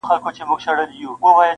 نه شاهین به یې له سیوري برابر کړي-